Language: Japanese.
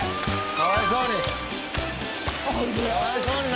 かわいそうにな。